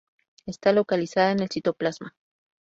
Está localizada en el citoplasma.